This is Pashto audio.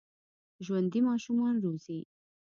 ژوندي ماشومان روزي